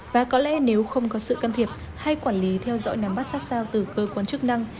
và có lẽ nếu không có sự can thiệp hay quản lý theo dõi nắm bắt sát sao từ cơ quan chức năng